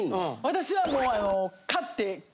私はもう。